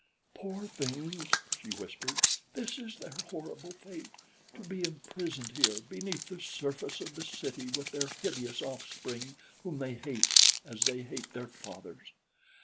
"Poor things," she whispered. "This is their horrible fate to be imprisoned here beneath the surface of the city with their hideous offspring whom they hate as they hate their fathers.